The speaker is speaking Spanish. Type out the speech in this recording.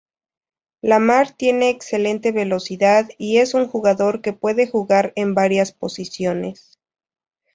Lamar tiene excelente velocidad y es un jugador que puede jugar en varias posiciones.